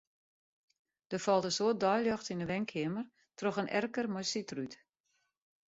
Der falt in soad deiljocht yn 'e wenkeamer troch in erker mei sydrút.